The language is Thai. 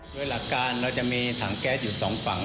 โดยหลักการเราจะมีถังแก๊สอยู่สองฝั่ง